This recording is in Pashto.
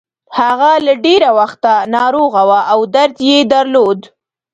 هغه له ډېره وخته ناروغه وه او درد يې درلود.